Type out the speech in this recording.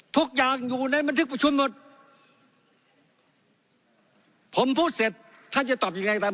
ทุกอย่างอยู่ในบันทึกประชุมหมดผมพูดเสร็จท่านจะตอบยังไงตาม